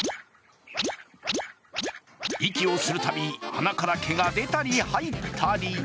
息をするたび、鼻から毛が出たり入ったり。